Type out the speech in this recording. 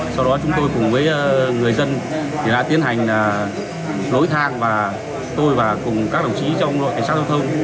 sau đó chúng tôi cùng với người dân đã tiến hành nối thang và tôi và cùng các đồng chí trong đội cảnh sát giao thông